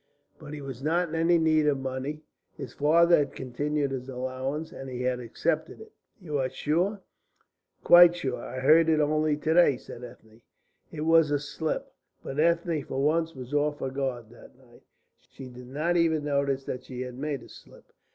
But he was not in any need of money. His father had continued his allowance, and he had accepted it." "You are sure?" "Quite sure. I heard it only to day," said Ethne. It was a slip, but Ethne for once was off her guard that night. She did not even notice that she had made a slip.